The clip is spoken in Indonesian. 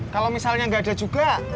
kalau misalnya nggak ada juga